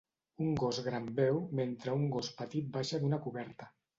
Un gos gran beu mentre un gos petit baixa d'una coberta.